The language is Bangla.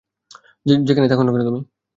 যেখানেই থাকো না কেন তুমি!